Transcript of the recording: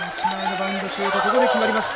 バウンドシュートここで決まりました